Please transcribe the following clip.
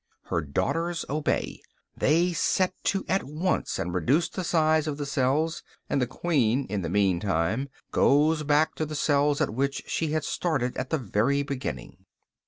Her daughters obey; they set to at once and reduce the size of the cells; and the queen, in the meantime, goes back to the cells at which she had started at the very beginning.